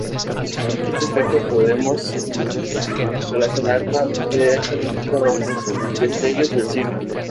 Este efecto podemos relacionarlo directamente con los destellos del cine.